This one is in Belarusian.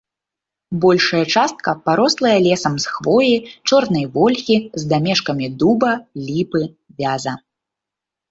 Большая частка парослая лесам з хвоі, чорнай вольхі, з дамешкамі дуба, ліпы, вяза.